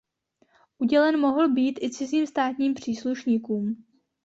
Udělen mohl být i cizím státním příslušníkům.